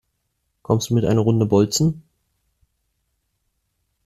Kommst du mit eine Runde bolzen?